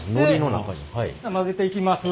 混ぜていきます。